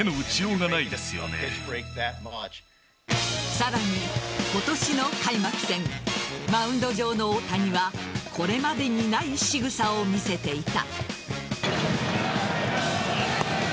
さらに、今年の開幕戦マウンド上の大谷はこれまでにないしぐさを見せていた。